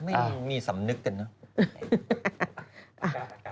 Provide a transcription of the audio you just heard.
ไม่มีสำนึกกันเนอะ